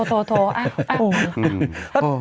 ทู